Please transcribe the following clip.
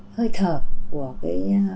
hơi thở của cái